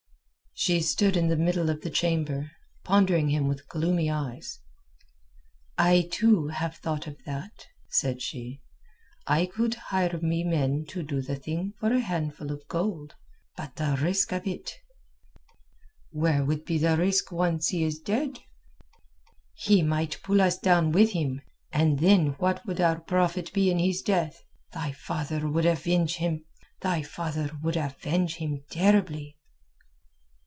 She stood in the middle of the chamber, pondering him with gloomy eyes "I too have thought of that," said she. "I could hire me men to do the thing for a handful of gold. But the risk of it...." "Where would be the risk once he is dead?" "He might pull us down with him, and then what would our profit be in his death? Thy father would avenge him terribly."